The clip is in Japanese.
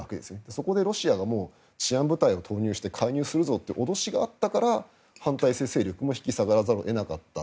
そこでロシアが治安部隊を投入して介入するぞと脅しがあったから反対勢力も引き下がらざるを得なかった。